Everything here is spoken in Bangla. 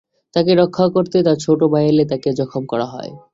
তাঁকে রক্ষা করতে তাঁর ছোট ভাই এলে তাঁকেও জখম করা হয়।